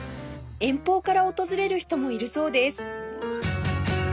遠方から訪れる人もいるそうです